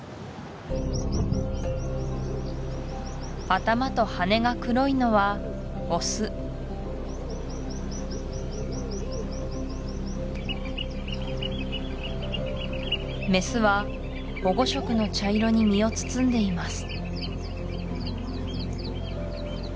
頭と羽が黒いのはオスメスは保護色の茶色に身を包んでいます